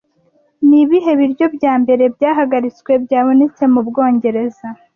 Ni ibihe biryo bya mbere byahagaritswe byabonetse mu Bwongereza